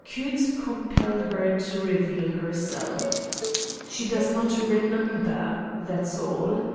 could compel her to reveal herself. She does not ' re member.' That's all.